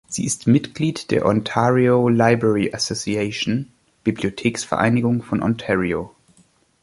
Sie ist Mitglied der Ontario Library Association (Bibliotheksvereinigung von Ontario).